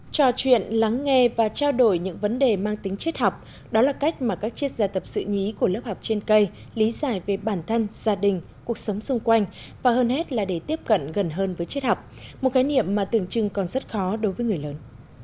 trò chuyện lắng nghe và trao đổi những vấn đề mang tính triết học đó là cách mà các triết gia tập sự nhí của lớp học trên cây lý giải về bản thân gia đình cuộc sống xung quanh và hơn hết là để tiếp cận gần hơn với triết học một cái niệm mà tưởng chừng còn rất khó đối với người lớn